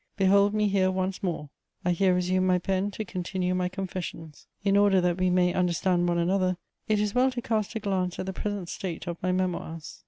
Behold me here once more; I here resume my pen to continue my confessions. In order that we may understand one another, it is well to cast a glance at the present state of my Memoirs.